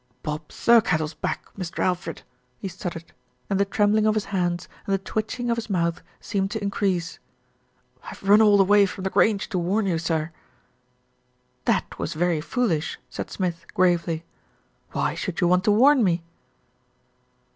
"Bob Thirkettle's back, Mr. Alfred," he stuttered, and the trembling of his hands and the twitching of his mouth seemed to increase. "I've run all the way from The Grange to warn you, sir." "That was very foolish," said Smith gravely. "Why should you want to warn me?"